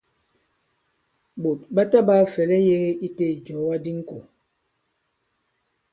Ɓòt ɓa taɓāa fɛ̀lɛ yēge i tē ìjɔ̀ga di ŋkò.